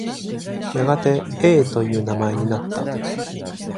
やがて「A」という名前になった。